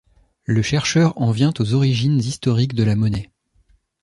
Le chercheur en vient aux origines historiques de la monnaie.